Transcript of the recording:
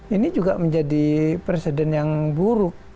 ini juga menjadi presiden yang buruk